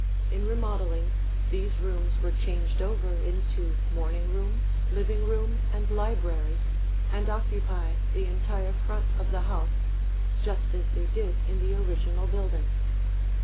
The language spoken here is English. In remodeling, these rooms were changed over into morning room, living room, and library, and occupy the entire front of the house, just as they did in the original building.